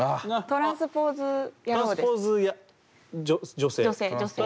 トランスポーズ男性。